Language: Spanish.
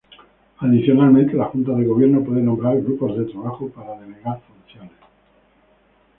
Adicionalmente, la Junta de Gobierno puede nombrar grupos de trabajo para delegar funciones.